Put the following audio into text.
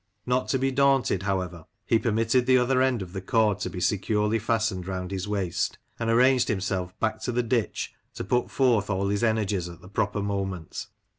Not to be daunted, however, he permitted the other end of the cord to be securely fastened round his waist, and arranged himself, back to the ditch, to put forth all his energies at the proper moment.